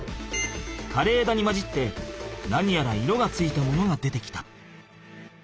かれえだに交じって何やら色がついたものが出てきた。